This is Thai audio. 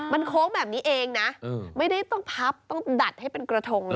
มันโค้งแบบนี้เองนะไม่ได้ต้องพับต้องดัดให้เป็นกระทงเลย